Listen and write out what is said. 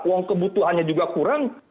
uang kebutuhannya juga kurang